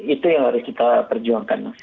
itu yang harus kita perjuangkan mas